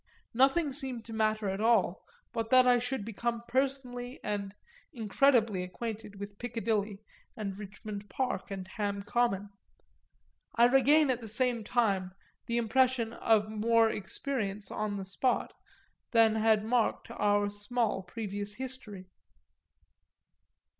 Nothing seemed to matter at all but that I should become personally and incredibly acquainted with Piccadilly and Richmond Park and Ham Common. I regain at the same time the impression of more experience on the spot than had marked our small previous history.